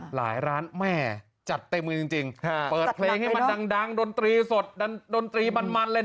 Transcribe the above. หลายร้านแม่จัดเต็มมือจริงเปิดเพลงให้มันดังดนตรีสดดนตรีมันเลยนะ